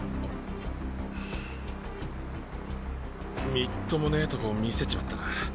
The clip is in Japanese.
みっともねぇとこ見せちまったな。